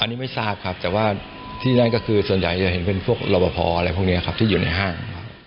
อันนี้ไม่ทราบครับแต่ว่าที่นั่นก็คือส่วนใหญ่จะเห็นเป็นพวกรบพออะไรพวกนี้ครับที่อยู่ในห้าง